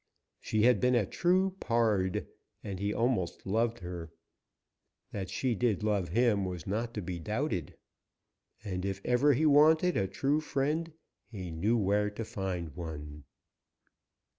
She had been a true pard, and he almost loved her. That she did love him was not to be doubted, and if ever he wanted a true friend he knew where to find one.